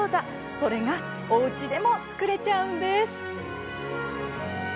それが、おうちでも作れちゃうんです。